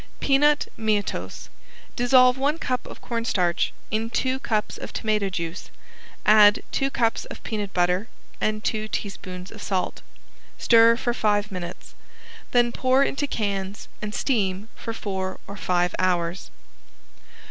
~PEANUT MEATOSE~ Dissolve one cup of cornstarch in two cups of tomato juice, add two cups of peanut butter and two teaspoons of salt. Stir for five minutes, then pour into cans and steam for four or five hours.